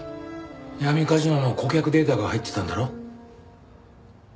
闇カジノの顧客データが入ってたんだろ？